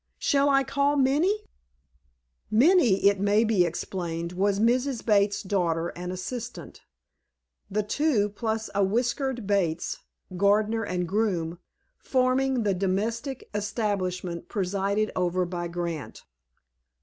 Shall I call Minnie?" Minnie, it may be explained, was Mrs. Bates's daughter and assistant, the two, plus a whiskered Bates, gardener and groom, forming the domestic establishment presided over by Grant.